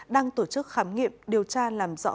đang tổ chức khám nghiệm điều tra làm rõ